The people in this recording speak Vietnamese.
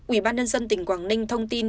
ubnd tỉnh quảng ninh thông tin